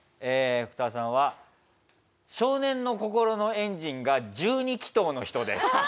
えーフクダさんは少年の心のエンジンが１２気筒の人です。